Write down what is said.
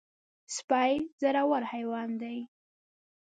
سپي زړور حیوان دی.